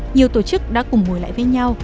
nhiều tổ chức đã cùng ngồi lại với nhau